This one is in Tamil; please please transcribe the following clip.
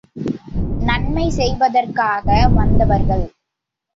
நன்மை செய்வதற்காக வந்தவர்கள்.